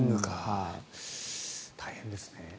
大変ですね。